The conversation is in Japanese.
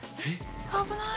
危ない。